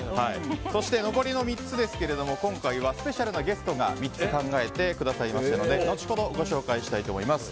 そして、残りの３つは今回スペシャルなゲストが３つ考えてくださいましたので後ほどご紹介したいと思います。